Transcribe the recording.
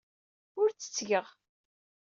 Ur tt-ttgeɣ.